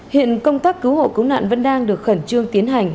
hiện công tác cứu hộ cứu nạn vẫn đang được khẩn trương tiến hành